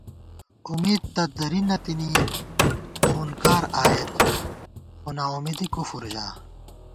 امېدتہ درِی نہ تِنی، خونکار آئیېت، خوناامیدی کُفر ژا